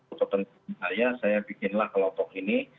untuk kepentingan saya saya bikinlah kelompok ini